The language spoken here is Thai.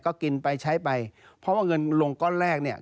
ก็กินไปใช้ไปเพราะว่าเงินลงก้อนแรกเนี่ย